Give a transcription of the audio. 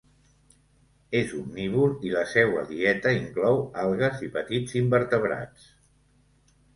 És omnívor i la seua dieta inclou algues i petits invertebrats.